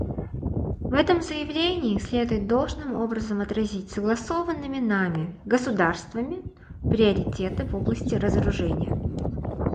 В этом заявлении следует должным образом отразить согласованными нами, государствами, приоритеты в области разоружения.